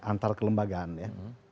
antar kelembagaan ya